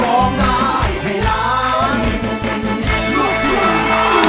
เป็นอย่างไรพี่นา